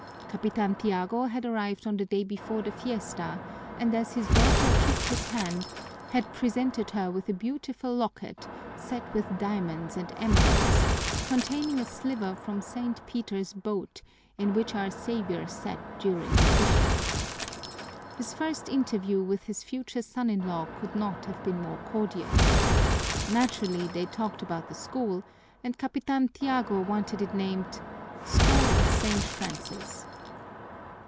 Capitan Tiago had arrived on the day before the fiesta and as his daughter kissed his hand, had presented her with a beautiful locket set with diamonds and emeralds, containing a sliver from St. Peter's boat, in which Our Savior sat during the fishing. His first interview with his future son in law could not have been more cordial. Naturally, they talked about the school, and Capitan Tiago wanted it named "School of St. Francis."